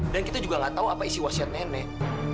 dan kita juga gak tahu apa isi wasiat nenek